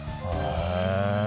へえ。